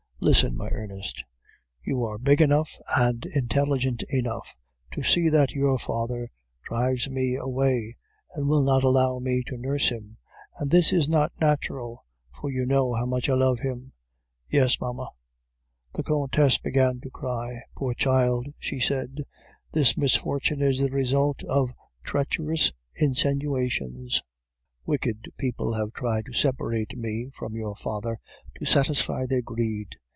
Listen, my Ernest, you are big enough and intelligent enough to see that your father drives me away, and will not allow me to nurse him, and this is not natural, for you know how much I love him.' "'Yes, mamma.' "The Countess began to cry. 'Poor child!' she said, 'this misfortune is the result of treacherous insinuations. Wicked people have tried to separate me from your father to satisfy their greed.